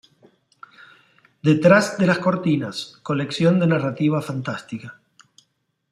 Detrás de las cortinas: colección de narrativa fantástica.